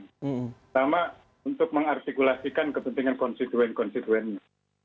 pertama untuk mengartikulasikan kepentingan konstituen konstituennya